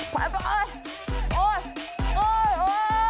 ไปไปโอ้ยโอ้ยโอ้ย